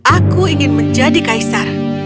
aku ingin menjadi kaisar